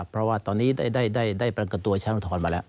เพราะว่าตอนนี้ได้ประกันตัวชั้นอุทธรณ์มาแล้ว